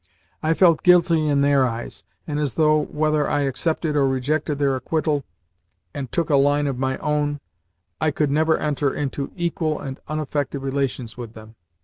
I felt guilty in their eyes, and as though, whether I accepted or rejected their acquittal and took a line of my own, I could never enter into equal and unaffected relations with them.